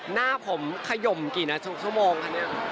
หน้าผมขยมกี่ชั่วโมงคะเนี่ย